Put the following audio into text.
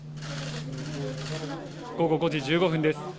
午後５時１５分です。